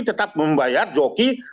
tetap membayar joki